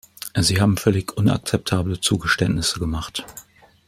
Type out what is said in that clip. Sie haben völlig unakzeptable Zugeständnisse gemacht.